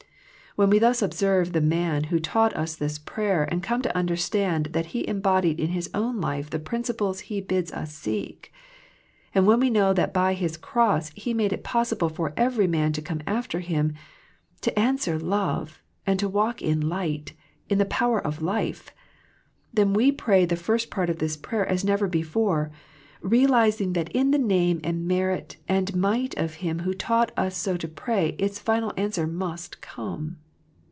When thus we observe the Man who taught us this prayer and come to understand that He em bodied in His own life the principles He bids us seek, and when we know that by His Cross He made it possible for every man to come after Him, to answer " love," and to walk in " light " in the power of " life," then we pray the first part of this prayer as never before, realizing that in the name and merit and might of Him who taught us so to pray its final answer must come.